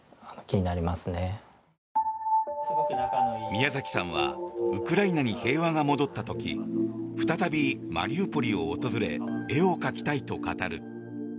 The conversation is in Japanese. ミヤザキさんはウクライナに平和が戻った時再びマリウポリを訪れ絵を描きたいと語る。